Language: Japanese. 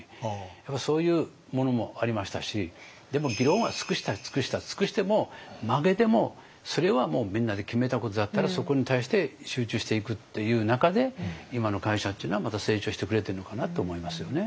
やっぱりそういうものもありましたしでも議論は尽くした尽くした尽くしても負けでもそれはもうみんなで決めたことだったらそこに対して集中していくっていう中で今の会社っていうのはまた成長してくれてるのかなって思いますよね。